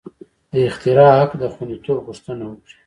د اختراع حق د خوندیتوب غوښتنه وکړي.